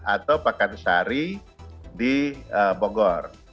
atau pak kansari di bogor